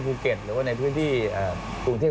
ภูเก็ตหรือว่าในพื้นที่กรุงเทพ